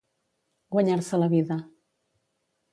Guanyar-se la vida.